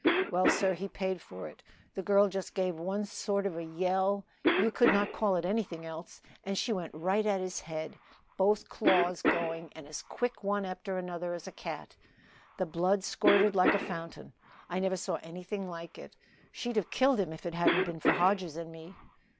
Well, sir, he paid for it. The girl just gave one sort of a yell you could not call it anything else and she went right at his head, both claws going and as quick one after another as a cat. The blood squirted like a fountain I never saw anything like it. She'd have killed him if it hadn't been for Hodges and me."